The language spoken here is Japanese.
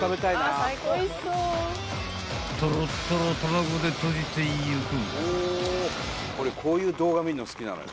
［とろっとろ卵でとじていく］